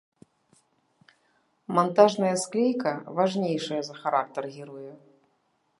Мантажная склейка важнейшая за характар героя.